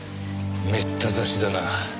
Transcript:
めった刺しだな。